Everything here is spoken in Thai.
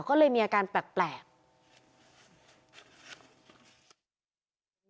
ก็เลยมีอาการแปลก